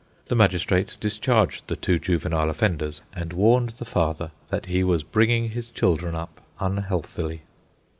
The magistrate discharged the two juvenile offenders and warned the father that he was bringing his children up unhealthily.